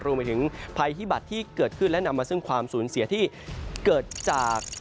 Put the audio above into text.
รวมไปถึงภัยพิบัตรที่เกิดขึ้นและนำมาซึ่งความสูญเสียที่เกิดจาก